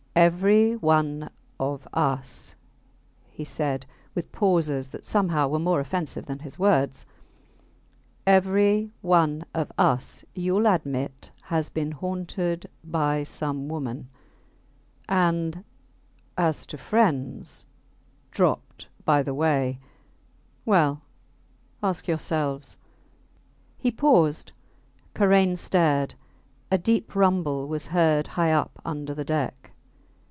Every one of us, he said, with pauses that somehow were more offensive than his words every one of us, youll admit, has been haunted by some woman ... And ... as to friends ... dropped by the way ... Well! ... ask yourselves ... He paused. Karain stared. A deep rumble was heard high up under the deck.